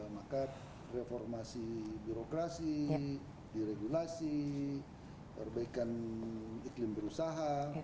maka reformasi birokrasi diregulasi perbaikan iklim berusaha